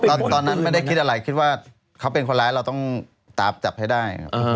ตอนนั้นไม่ได้คิดอะไรคิดว่าเขาเป็นคนร้ายเราต้องตามจับให้ได้